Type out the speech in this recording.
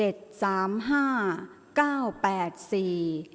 ออกรางวัลที่๖